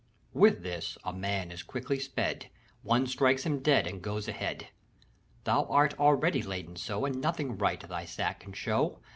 With this, a man is quickly sped; One strikes him dead, and goes ahead. Thou art already laden so, And nothing right thy sack can show.